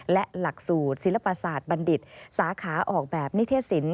และหลักสูตรศิลปศาสตร์บัณฑิตสาขาออกแบบนิเทศศิลป